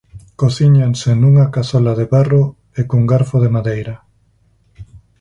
Cocíñanse nunha cazola de barro e cun garfo de madeira.